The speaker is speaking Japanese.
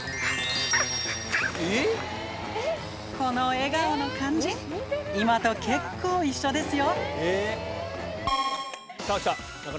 この笑顔の感じ、今と結構一緒ですよ。